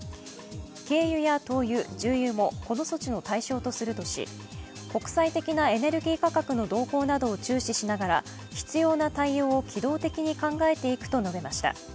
軽油や灯油、重油もこの措置の対象とするとし国際的なエネルギー価格の動向などを注視しながら必要な対応を機動的に考えていくと述べました。